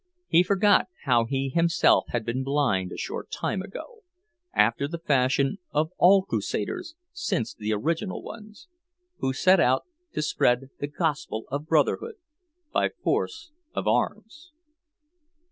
He forgot how he himself had been blind, a short time ago—after the fashion of all crusaders since the original ones, who set out to spread the gospel of Brotherhood by force of arms.